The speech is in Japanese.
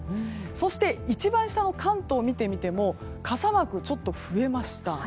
そして関東を見てみても傘マークがちょっと増えました。